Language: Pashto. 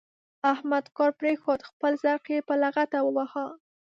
احمد کار پرېښود؛ خپل زرق يې په لغته وواهه.